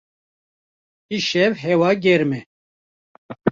Îşev hewa germ e.